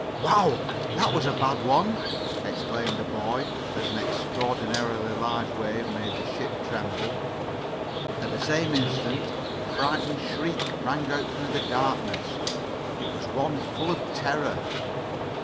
"Wow! That was a bad one!" exclaimed the boy, as an extraordinarily large wave made the ship tremble. At the same instant a frightened shriek rang out through the darkness. It was one full of terror.